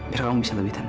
biar kamu bisa lebih tenang